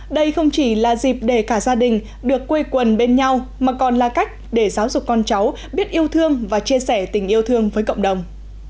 đây không chỉ là dịp để cả gia đình được quê quần bên nhau mà còn là cách để giáo dục con cháu biết yêu thương và chia sẻ tình yêu thương với cộng đồng